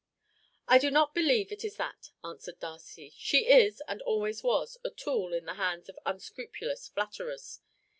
"I do not believe it is that," answered Darcy; "she is, and always was, a tool in the hands of unscrupulous flatterers.